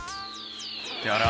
「ってあら？